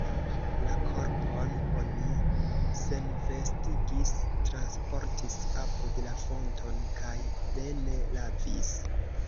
La korpon oni senvestigis, transportis apud la fonton, kaj plene lavis.